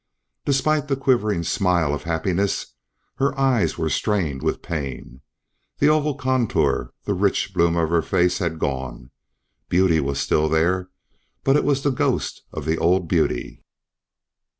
Despite the quivering smile of happiness, her eyes were strained with pain. The oval contour, the rich bloom of her face had gone; beauty was there still, but it was the ghost of the old beauty.